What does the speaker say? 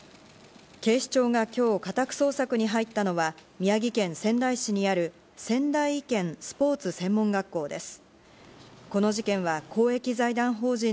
警視庁が今日、家宅捜索に入ったのは宮城県仙台市にある、仙台医健・スポーツ専門学校です。